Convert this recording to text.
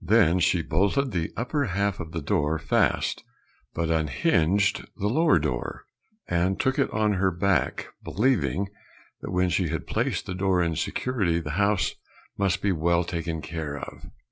Then she bolted the upper half of the door fast, but unhinged the lower door, and took it on her back, believing that when she had placed the door in security the house must be well taken care of.